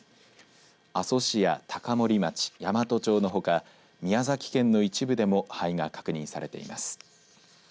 阿蘇市や高森町、山都町のほか宮崎県の一部でも灰が確認されています。